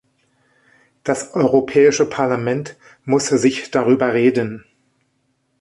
Das Europäische Parlament muss sich darüber reden.